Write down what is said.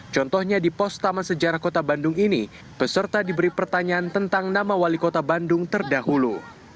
contohnya di pos taman sejarah kota bandung ini peserta diberi pertanyaan tentang nama wali kota bandung terdahulu